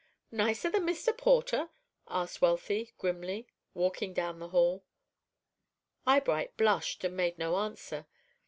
"Nicer than Mr. Porter?" asked Wealthy, grimly, walking down the hall. Eyebright blushed and made no answer.